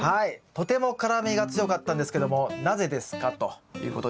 「とても辛みが強かったんですけどもなぜですか？」ということですけども。